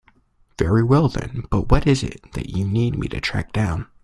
Very well then, what is it that you need me to track down?